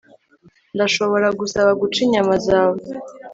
ndashobora gusaba guca inyama zawe